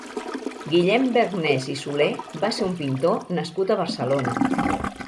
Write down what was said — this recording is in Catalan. Guillem Bergnes i Soler va ser un pintor nascut a Barcelona.